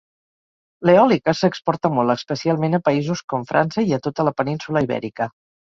L'eòlica s'exporta molt, especialment a països com França i a tota la península Ibèrica.